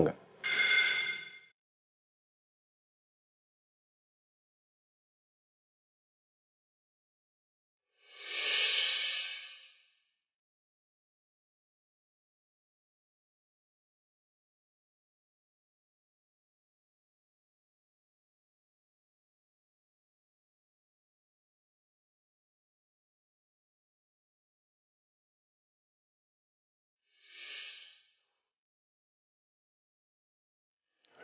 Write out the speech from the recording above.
gak ada apa dua